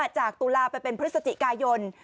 จากตุลาไปเป็นเพศสัจกายน